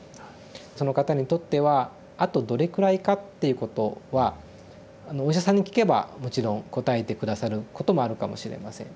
その方にとってはあとどれくらいかっていうことはお医者さんに聞けばもちろん答えて下さることもあるかもしれません。